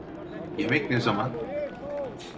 Yemek ne zaman?